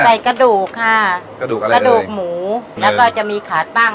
ใส่กระดูกค่ะกระดูกหมูแล้วก็จะมีขาตั้ง